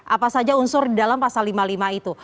apa saja unsur di dalam pasal lima puluh lima itu